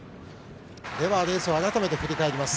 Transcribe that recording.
レースを改めて振り返ります。